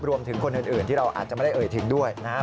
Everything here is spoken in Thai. รวมถึงคนอื่นที่เราอาจจะไม่ได้เอ่ยถึงด้วยนะครับ